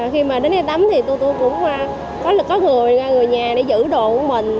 khi mà đến đây tắm thì tôi cũng có người ra người nhà để giữ đồ của mình